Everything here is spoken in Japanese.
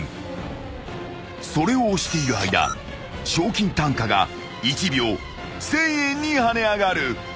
［それを押している間賞金単価が１秒１，０００円に跳ね上がる］